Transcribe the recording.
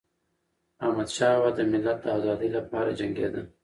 احمدشاه بابا د ملت د ازادی لپاره جنګيده.